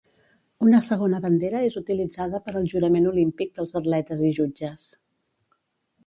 Una segona bandera és utilitzada per al jurament olímpic dels atletes i jutges.